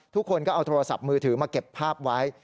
ทุกคนก็เอาโทรศัพท์มือถือมาเก็บภาพไว้